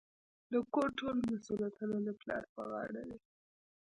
د کور ټول مسوليتونه د پلار په غاړه وي.